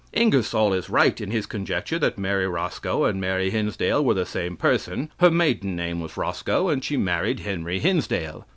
"Ingersoll is right in his conjecture that Mary Roscoe and Mary Hinsdale were the same person. Her maiden name was Roscoe and she married Henry Hinsdale.